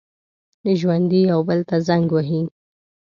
ژوندي یو بل ته زنګ وهي